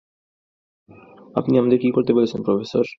আপনি আমাদের কী করতে বলছেন, প্রফেসর?